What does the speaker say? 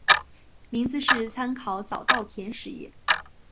名字是参考早稻田实业。